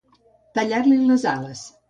Tallar-li les ales.